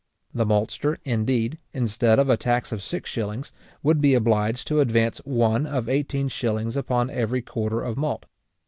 The maltster, indeed, instead of a tax of six shillings, would be obliged to advance one of eighteen shilling upon every quarter of malt.